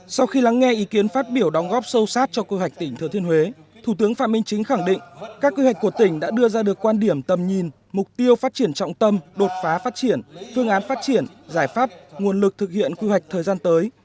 sau khi lắng nghe ý kiến phát biểu đóng góp sâu sát cho quy hoạch tỉnh thừa thiên huế thủ tướng phạm minh chính khẳng định các quy hoạch của tỉnh đã đưa ra được quan điểm tầm nhìn mục tiêu phát triển trọng tâm đột phá phát triển phương án phát triển giải pháp nguồn lực thực hiện quy hoạch thời gian tới